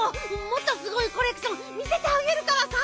もっとすごいコレクション見せてあげるからさ。